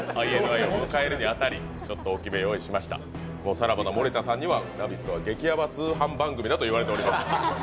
さらばの森田さんには、「ラヴィット！」は激ヤバ通販番組だと言われております。